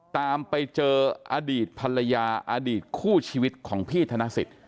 ตามไปเจออดีตภรรยาอดีตคู่ชีวิตของพี่ธนสิทธิ